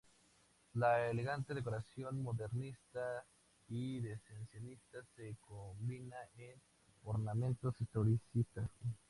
La elegante decoración modernista y secesionista se combina con ornamentos historicistas.